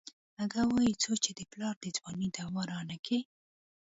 اگه وايي څو چې دې پلار د ځوانۍ دوا رانکي.